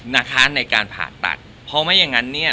นะคะในการผ่าตัดเพราะไม่อย่างนั้นเนี่ย